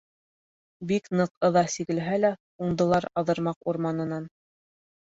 Бик ныҡ ыҙа сигелһә лә, уңдылар Аҙырмаҡ урманынан.